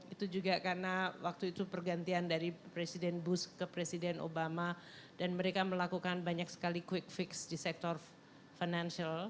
itu juga karena waktu itu pergantian dari presiden bush ke presiden obama dan mereka melakukan banyak sekali quick fix di sektor financial